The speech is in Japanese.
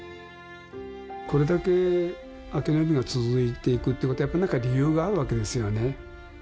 これだけ明けの海が続いていくっていうことはやっぱり何か理由があるわけですよね。